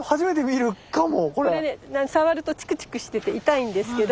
これね触るとチクチクしてて痛いんですけど。